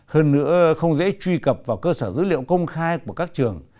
hơn nữa không dễ truy cập vào cơ sở dữ liệu công khai của các trường